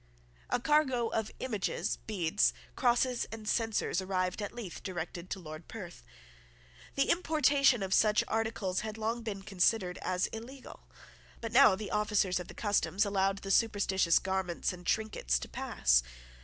A cargo of images, beads, crosses and censers arrived at Leith directed to Lord Perth. The importation of such articles had long been considered as illegal; but now the officers of the customs allowed the superstitious garments and trinkets to pass.